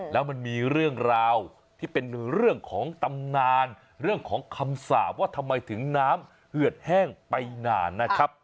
แล้วมันมีเรื่องราวที่เป็นเรื่องของตำนานเรื่องของคำสาปว่าทำไมถึงน้ำเหือดแห้งไปนานนะครับ